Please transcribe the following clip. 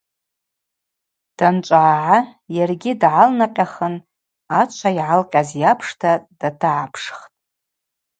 Данчӏвагӏгӏа йаргьи дгӏалнакъьахын ачва йгӏалкъьаз йапшта датагӏапшхтӏ.